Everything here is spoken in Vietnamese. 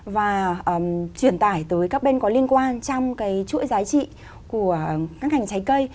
và truyền tải tới các bên có liên quan trong cái chuỗi giá trị của các ngành trái cây